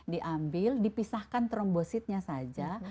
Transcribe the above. diambil dipisahkan trombositnya saja